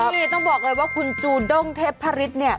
นี่ต้องบอกเลยว่าคุณจูด้งเทพฤษเนี่ย